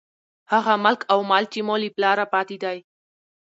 هغه ملک او مال، چې مو له پلاره پاتې دى.